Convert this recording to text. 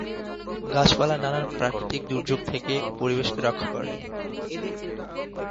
গাছপালা নানান প্রাকৃতিক দুর্যোগ থেকে পরিবেশকে রক্ষা করে।